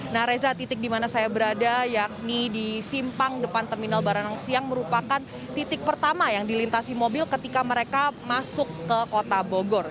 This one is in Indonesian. nah reza titik di mana saya berada yakni di simpang depan terminal baranang siang merupakan titik pertama yang dilintasi mobil ketika mereka masuk ke kota bogor